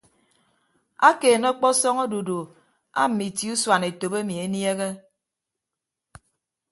Akeene ọkpọsọñ odudu aamme itie usuan etop emi eniehe.